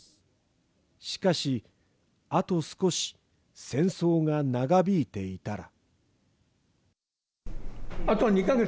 しかし、あと少し戦争が長引いていたら。